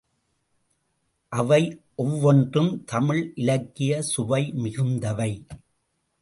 அவை ஒவ்வொன்றும் தமிழ் இலக்கியச் சுவை மிகுந்தவை.